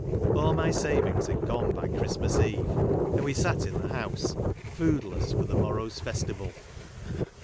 All my savings had gone by Christmas Eve, and we sat in the house, foodless for the morrow's festival.